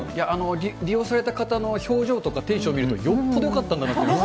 利用された方の表情とかテンション見ると、よっぽどよかったんだ